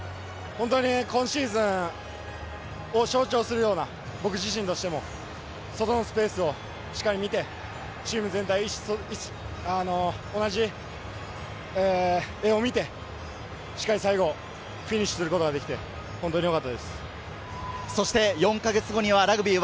今シーズンを象徴するような、僕自身としても外のスペースをしっかり見てチーム全体で意思疎通、同じ画を見て、しっかり最後フィニッシュすることができて本当に良かったです。